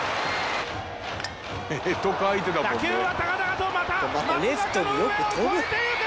打球は高々とまた松坂の上を越えていく！